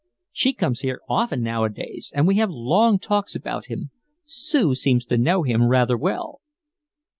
She comes here often nowadays and we have long talks about him. Sue seems to know him rather well."